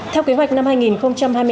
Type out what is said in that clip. theo kế hoạch năm hai nghìn hai mươi hai